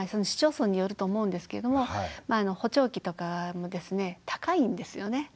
市町村によると思うんですけれども補聴器とかも高いんですよね。